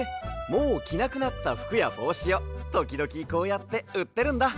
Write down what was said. もうきなくなったふくやぼうしをときどきこうやってうってるんだ。